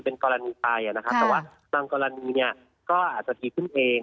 เป็นกรณีไปนะครับแต่ว่าบางกรณีเนี่ยก็อาจจะถี่ขึ้นเอง